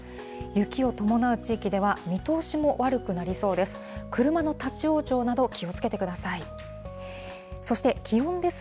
雪を伴う地域では見通しも悪くなりそうです。